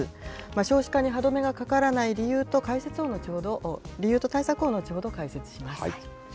少子化に歯止めがかからない理由と対策を後ほど解説します。